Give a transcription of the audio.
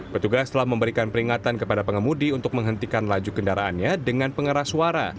petugas telah memberikan peringatan kepada pengemudi untuk menghentikan laju kendaraannya dengan pengeras suara